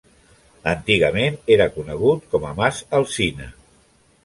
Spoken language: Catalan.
Antigament era conegut com a mas Alzina.